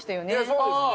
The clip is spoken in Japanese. そうですね。